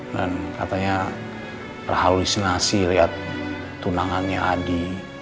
dan katanya perhalusinasi liat tunangannya adi